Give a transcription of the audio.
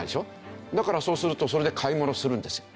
だからそうするとそれで買い物するんですよ。